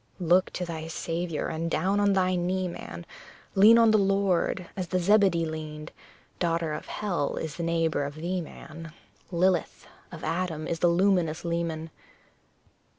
Look to thy Saviour, and down on thy knee, man, Lean on the Lord, as the Zebedee leaned; Daughter of hell is the neighbour of thee, man Lilith, of Adam the luminous leman!